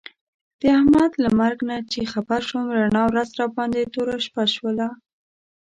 د احمد له مرګ نه چې خبر شوم، رڼا ورځ راباندې توره شپه شوله.